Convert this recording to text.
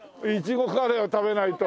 苺カレーは食べないと。